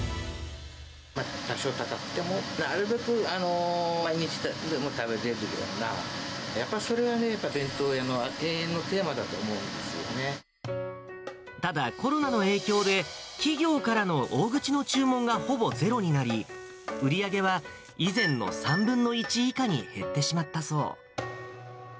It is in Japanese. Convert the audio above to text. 多少高くても、なるべく毎日でも食べれるような、やっぱりそれはね、弁当屋の永遠のテーマだただ、コロナの影響で、企業からの大口の注文がほぼゼロになり、売り上げは以前の３分の１以下に減ってしまったそう。